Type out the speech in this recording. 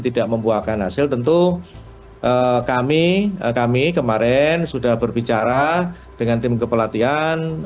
tidak membuahkan hasil tentu kami kami kemarin sudah berbicara dengan tim kepelatihan